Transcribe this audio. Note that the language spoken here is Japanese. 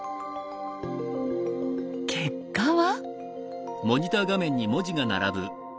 結果は。